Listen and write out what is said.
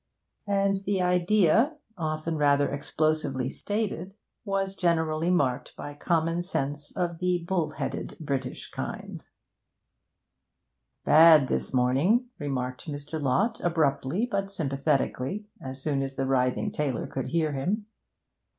And the idea, often rather explosively stated, was generally marked by common sense of the bull headed, British kind. 'Bad this morning,' remarked Mr. Lott, abruptly but sympathetically, as soon as the writhing tailor could hear him.